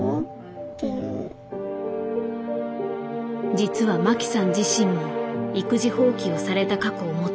実はマキさん自身も育児放棄をされた過去を持つ。